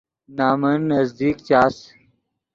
نمن نزدیک چاس